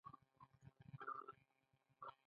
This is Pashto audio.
د خپلې سیمې پېښې دې په وار سره وړاندي کړي.